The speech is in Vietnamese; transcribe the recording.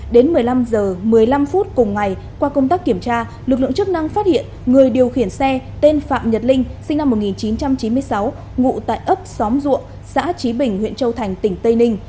đến một mươi năm h một mươi năm phút cùng ngày qua công tác kiểm tra lực lượng chức năng phát hiện người điều khiển xe tên phạm nhật linh sinh năm một nghìn chín trăm chín mươi sáu ngụ tại ấp xóm ruộng xã trí bình huyện châu thành tỉnh tây ninh